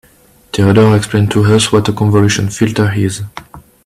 Theodore explained to us what a convolution filter is.